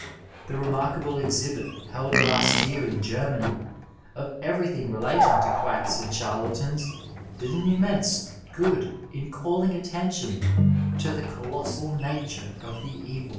The remarkable exhibit held last year in Germany of everything relating to quacks and charlatans did an immense good in calling attention to the colossal nature of the evU.